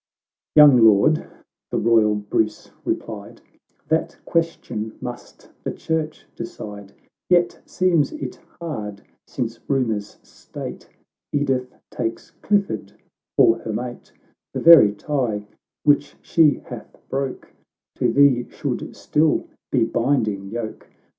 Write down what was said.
— xv "Young Lord," the royal Bruce replied, " That question must the Church decide; Yet seems it hard, since rumours state Edith takes Clifford for her mate, The very tie, which she hath broke, To thee should still be binding yoke.